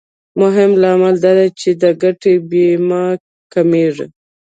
مهم لامل دا دی چې د ګټې بیه کمېږي